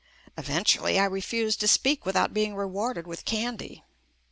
Eventually I refused to speak without being rewarded with candy.